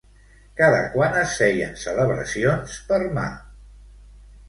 Cada quant es feien celebracions per Ma?